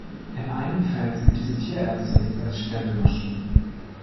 In einigen Fällen sind diese Tierärzte nichts als Stempelmaschinen.